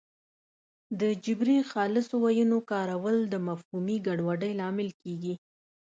د جبري خالصو ویونو کارول د مفهومي ګډوډۍ لامل کېږي